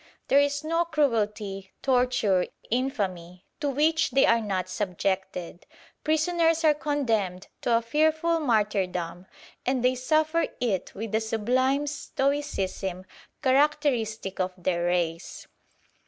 There is no cruelty, torture, infamy, to which they are not subjected. Prisoners are condemned to a fearful martyrdom, and they suffer it with the sublime stoicism characteristic of their race.